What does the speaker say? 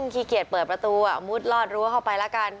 ขี้เกียจเปิดประตูมุดลอดรั้วเข้าไปแล้วกัน